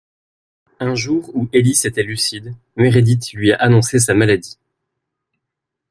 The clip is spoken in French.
Un jour où Ellis était lucide, Meredith lui a annoncé sa maladie.